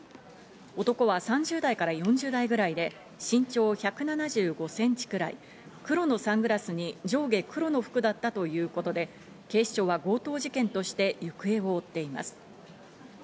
男は３０代から４０代くらいで身長１７５センチくらい、黒のサングラスに上下黒の服だったということで、警視庁は強盗事件として行方を追っています。